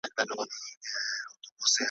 غليمان به فراريږي `